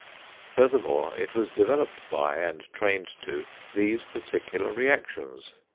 Furthermore, it was developed by, and trained to, these particular reactions.